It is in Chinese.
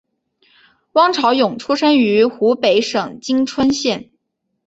汪潮涌出生于湖北省蕲春县。